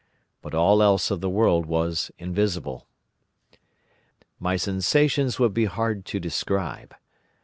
But all else of the world was invisible. "My sensations would be hard to describe.